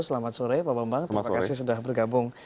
selamat sore pak bambang terima kasih sudah bergabung